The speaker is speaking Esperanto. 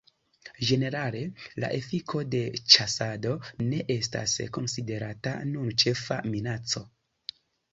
Ĝenerale la efiko de ĉasado ne estas konsiderata nun ĉefa minaco.